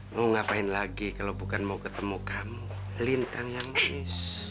mau ngapain lagi kalau bukan mau ketemu kamu lintang yang manis